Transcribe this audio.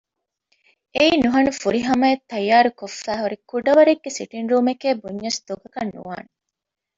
އެއީ ނުހަނު ފުރިހަމައަށް ތައްޔާރުކޮށްފައި ހުރި ކުޑަވަރެއްގެ ސިޓިންގރޫމެކޭ ބުންޏަސް ދޮގަކަށް ނުވާނެ